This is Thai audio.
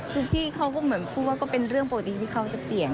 คือพี่เขาก็เหมือนพูดว่าก็เป็นเรื่องปกติที่เขาจะเปลี่ยน